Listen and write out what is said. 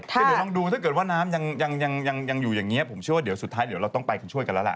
ถ้าเกิดว่าน้ำยังอยู่อย่างนี้ผมเชื่อว่าสุดท้ายเดี๋ยวเราต้องไปช่วยกันแล้วล่ะ